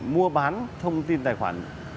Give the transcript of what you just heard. mua bán thông tin tài khoản